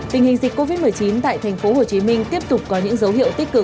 tình hình dịch covid một mươi chín tại thành phố hồ chí minh tiếp tục có những dấu hiệu tích cực